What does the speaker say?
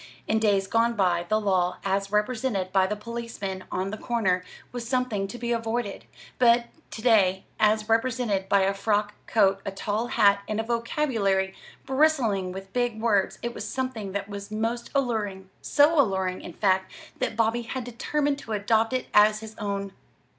In days gone by, the law, as represented by the policeman on the corner, was something to be avoided; but to day, as represented by a frock coat, a tall hat, and a vocabulary bristling with big words, it was something that was most alluring so alluring, in fact, that Bobby had determined to adopt it as his own.